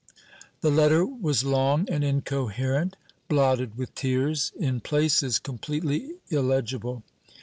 The letter was long and incoherent; blotted with tears in places completely illegible.